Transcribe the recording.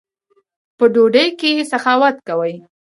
په ډوډۍ کښي سخاوت کوئ!